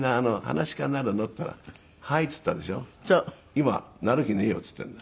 今「なる気ねえよ」って言ってんだ。